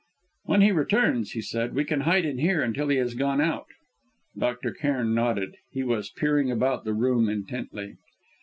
"When he returns," he said, "we can hide in here until he has gone out." Dr. Cairn nodded; he was peering about the room intently.